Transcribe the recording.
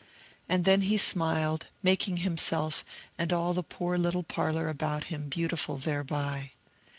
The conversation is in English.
And then he smiled, making himself and all the poor little parlor about him beautiful thereby.